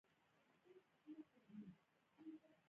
په لسګونو علمي، ادبي او تاریخي اثار یې چاپ شوي.